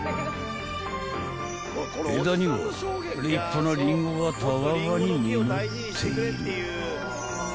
［枝には立派なリンゴがたわわに実っている］